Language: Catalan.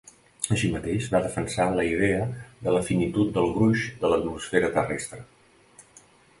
Així mateix, va defensar la idea de la finitud del gruix de l'atmosfera terrestre.